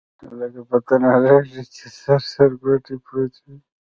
لکه په تناره کښې چې سرې سکروټې پرتې وي.